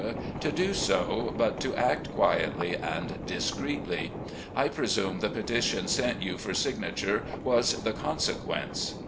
to do so, but to act quietly and discreetly. I presume the petition sent you for signature was the consequence.